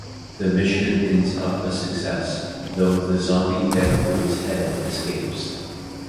The mission ends up a success, though the zombie Deadpool's head escapes.